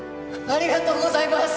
ありがとうございます！